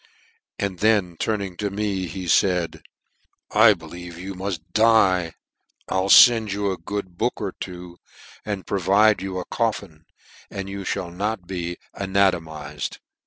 And then " turning to me, he faid, * I believe you muft " die I'll fend you a good book or two, and " provide you a coffin, and you fhall not be ana " tomized."